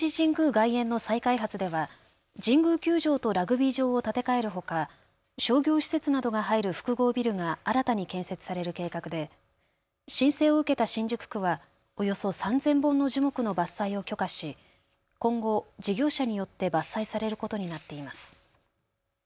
外苑の再開発では神宮球場とラグビー場を建て替えるほか、商業施設などが入る複合ビルが新たに建設される計画で申請を受けた新宿区はおよそ３０００本の樹木の伐採を許可し今後、事業者によって伐採されることになっています。